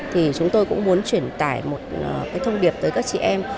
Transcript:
thì chúng tôi cũng muốn truyền tải một cái thông điệp tới các chị em